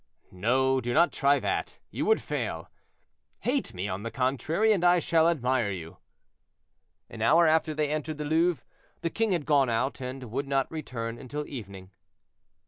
"No, do not try that; you would fail. Hate me, on the contrary, and I shall admire you." An hour after they entered the Louvre; the king had gone out, and would not return until evening.